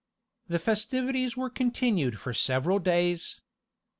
The festivities were continued for several days.